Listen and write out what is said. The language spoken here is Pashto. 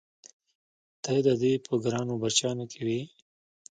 ته د دې په ګرانو بچیانو کې وې؟